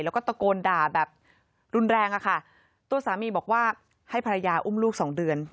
แล้วก็ตะโกนด่าแบบรุนแรงอะค่ะตัวสามีบอกว่าให้ภรรยาอุ้มลูกสองเดือน